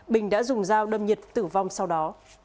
bình đã dùng dao đâm nhật tử vong sau đó